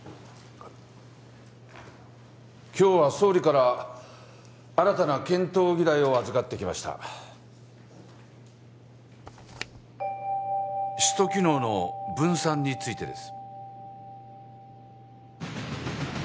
今日は総理から新たな検討議題を預かってきました首都機能の分散についてです